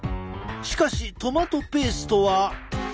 しかしトマトペーストは。